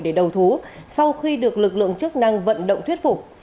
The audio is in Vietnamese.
để đầu thú sau khi được lực lượng chức năng vận động thuyết phục